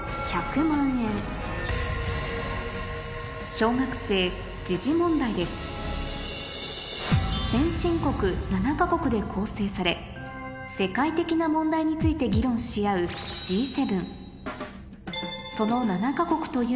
小学生問題ですで構成され世界的な問題について議論し合うＧ７